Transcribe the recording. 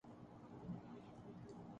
دوسرا قریب موضع چکوڑہ کی طرف بھاگ نکلا۔